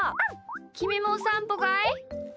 きみもおさんぽかい？